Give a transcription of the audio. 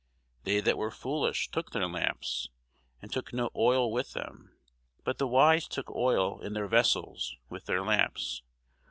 They that were foolish took their lamps, and took no oil with them: but the wise took oil in their vessels with their lamps.